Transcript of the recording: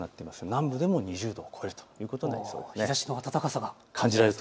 南部でも２０度を超えるということになりそうです。